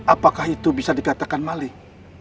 apakah itu bisa dikatakan maling